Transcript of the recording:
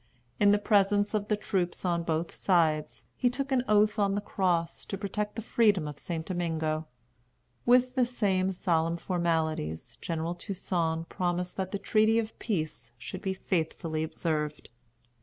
In the presence of the troops on both sides, he took an oath on the cross to protect the freedom of St. Domingo. With the same solemn formalities, General Toussaint promised that the treaty of peace should be faithfully observed.